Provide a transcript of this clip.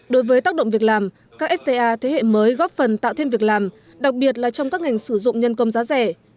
đối với tác động việc làm các fta thế hệ mới góp phần tạo thêm việc làm đặc biệt là trong các ngành sử dụng nhân công giá rẻ